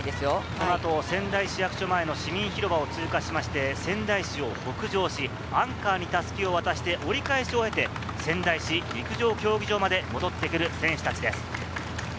この後、仙台市役所前の市民広場を通過しまして仙台市を北上し、アンカーに襷を渡して折り返しを経て、仙台市陸上競技場まで戻ってくる選手たちです。